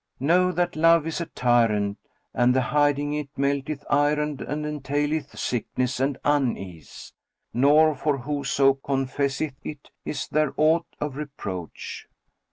Know that love is a tyrant and the hiding it melteth iron and entaileth sickness and unease; nor for whoso confesseth it is there aught of reproach."